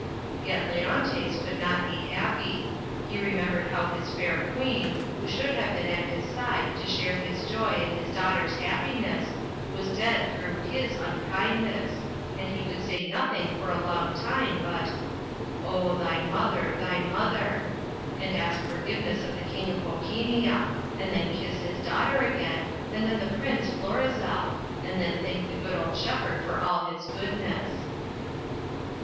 Yet Leontes could not be happy. He remembered how his fair queen, who should have been at his side to share his joy in his daugh ter's happiness, was dead through his unkindness, and he could say nothing for a long time but — "Oh, thy mother ! thy mother !" and ask forgiveness of the King of Bohemia, and then kiss his daughter again, and then the Prince Flor izel, and then thank the old shepherd for all his goodness.